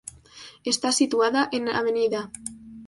Está situada en Av.